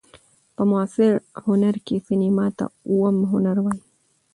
په معاصر هنر کښي سېنما ته اووم هنر وايي.